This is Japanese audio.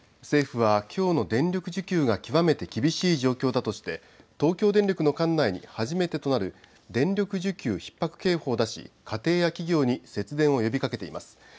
政府は、きょうの電力需給が極めて厳しい状況だとして、東京電力の管内に初めてとなる、電力需給ひっ迫警報を出し、家庭や企業に節電を呼びかけています。